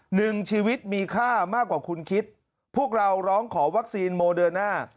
หนึ่งชีวิตมีค่ามากกว่าคุณคิดพวกเราร้องขอวัคซีนโมเดิร์น่า